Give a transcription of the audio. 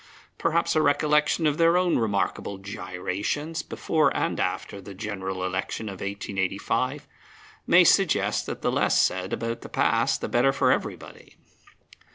Perhaps a recollection of their own remarkable gyrations, before and after the General Election of 1885, may suggest that the less said about the past the better for everybody.